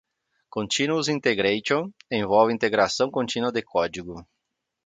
Continuous Integration envolve integração contínua de código.